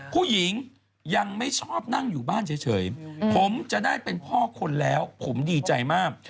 ผู้หญิงยังไม่ชอบนั่งอยู่บ้านเฉยผมจะได้เป็นพ่อคนแล้วผมดีใจมาก